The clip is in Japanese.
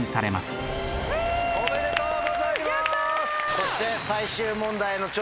そして。